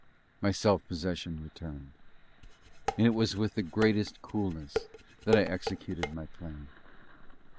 My self possession returned; and it was with the greatest coolness that I executed my plan.